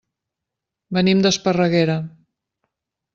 Venim d'Esparreguera.